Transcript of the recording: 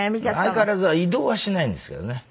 相変わらず移動はしないんですけどね。